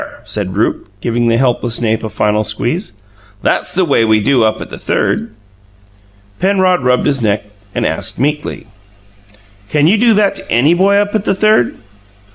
said Rupe, giving the helpless nape a final squeeze. "That's the way we do up at the Third." Penrod rubbed his neck and asked meekly: "Can you do that to any boy up at the Third?"